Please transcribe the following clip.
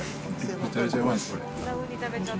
めちゃめちゃうまいです、これ。